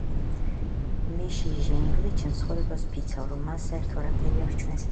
მე, ში ჟენგლი, ჩემს ცხოვრებას ვფიცავ, რომ მას საერთო არაფერი აქვს ჩვენს ლაბორატორიასთან.